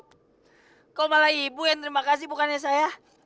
kau malah ibu yang terima kasih bukannya saya